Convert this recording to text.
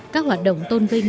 các hoạt động tôn vinh